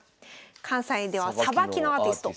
関西ではさばきのアーティスト。